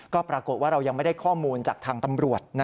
ก็ปรากฏว่าเรายังไม่ได้ข้อมูลจากทางตำรวจ